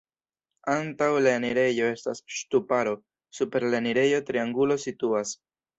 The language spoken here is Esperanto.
Antaŭ la enirejo estas ŝtuparo, super la enirejo triangulo situas.